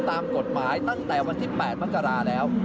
ตามกฎหมายตั้งแต่วันที่๘มกราแล้ว